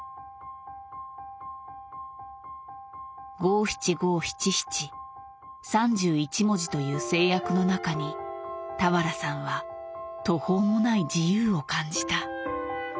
五七五七七３１文字という制約の中に俵さんは途方もない自由を感じた。